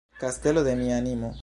Kastelo de mia animo.